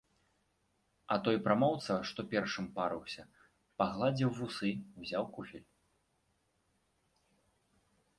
А той прамоўца, што першым парыўся, пагладзіў вусы, узяў куфель.